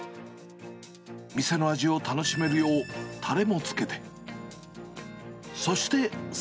店の味を楽しめるようたれもつけて。